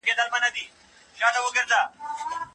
دغه کڅوڼه زما خور جوړه کړه.